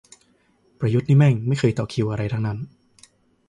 ประยุทธ์นี่แม่งไม่เคยต่อคิวอะไรทั้งนั้น